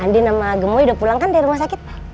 andin sama gemoy udah pulang kan dari rumah sakit pak